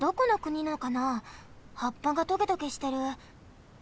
はっぱがトゲトゲしてる。